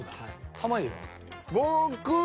濱家は？